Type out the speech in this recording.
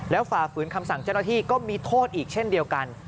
ฝ่าฝืนคำสั่งเจ้าหน้าที่ก็มีโทษอีกเช่นเดียวกัน